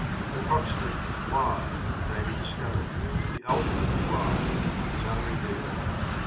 The proximate Why may be discovered; the ultimate Why is unrevealed.